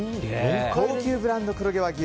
高級ブランド黒毛和牛